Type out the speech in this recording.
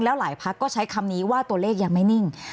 หลายพักก็ใช้คำนี้ว่าตัวเลขยังไม่นิ่ง